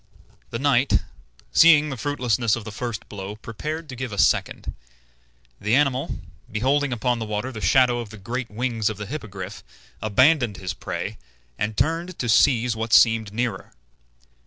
The knight, seeing the fruitlessness of the first blow, prepared to give a second. The animal, beholding upon the water the shadow of the great wings of the Hippogriff, abandoned his prey, and turned to seize what seemed nearer.